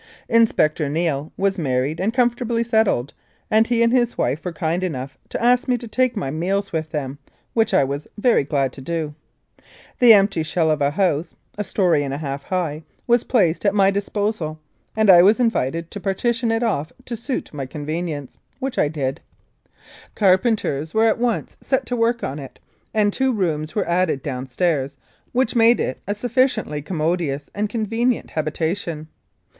Inspector Neale was married and comfortably settled, and he and his wife were kind enough to ask me to take my meals with them, which I was very glad to do. The empty shell of a house (a story and a half high) was placed at my disposal, and I was invited to par tition it off to suit my convenience, which I did. Car 2 1883 84. Regina penters were at once set to work on it, and two rooms were added downstairs, which made it a sufficiently commodious and convenient habitation.